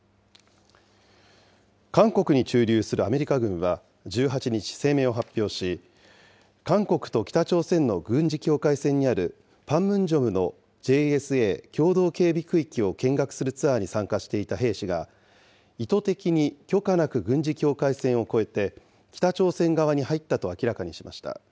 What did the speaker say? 韓国に駐留するアメリカ軍は、１８日声明を発表し、韓国と北朝鮮の軍事境界線にあるパンムンジョムのＪＳＡ・共同警備区域を見学するツアーに参加していた兵士が、意図的に許可なく軍事境界線を越えて北朝鮮側に入ったと明らかにしました。